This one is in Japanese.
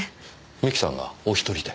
三木さんがお一人で？